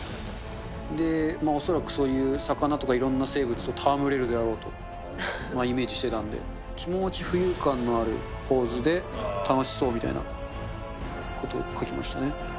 で、恐らくそういう魚とか、いろんな生物と戯れるであろうとイメージしてたんで、気持ち浮遊感のある構図で楽しそうみたいなことを描きましたね。